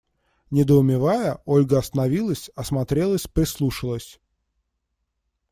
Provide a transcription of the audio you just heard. Недоумевая, Ольга остановилась, осмотрелась, прислушалась.